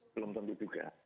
belum tentu juga